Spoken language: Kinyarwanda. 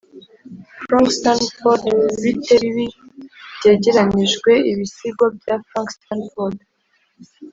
frank stanford, bite bibi: byegeranijwe ibisigo bya frank stanford